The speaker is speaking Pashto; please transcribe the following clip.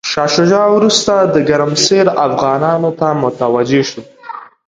شاه شجاع وروسته د ګرمسیر افغانانو ته متوجه شو.